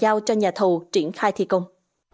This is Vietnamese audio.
điều này đã được bàn giao cho nhà thầu triển khai thi công